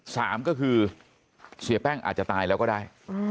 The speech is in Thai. สามก็คือเสียแป้งอาจจะตายแล้วก็ได้